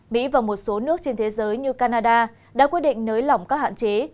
mỹ và một số nước trên thế giới như canada đã quyết định nới lỏng các hạn chế